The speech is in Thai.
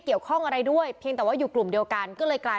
เกี่ยวข้องอะไรด้วยเพียงแต่ว่าอยู่กลุ่มเดียวกันก็เลยกลาย